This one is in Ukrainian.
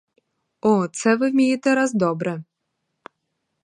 О, це ви вмієте раз добре.